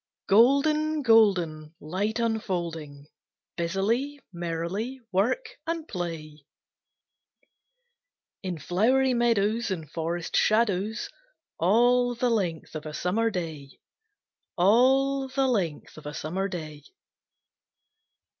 GOLDEN, golden, Light unfolding, Busily, merrily, work and play, In flowery meadows, And forest shadows, All the length of a Summer day! All the length of a Summer day!